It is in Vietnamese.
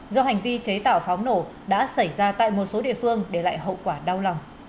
do hành vi chế tạo pháo nổ đã xảy ra tại một số địa phương để lại hậu quả đau lòng